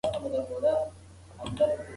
شاه امان الله خان ټول افغانان وروڼه ګڼل.